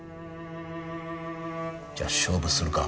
じゃあ勝負するか。